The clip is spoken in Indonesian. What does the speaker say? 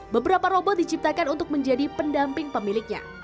beberapa robot diciptakan untuk menjadi pendamping pemiliknya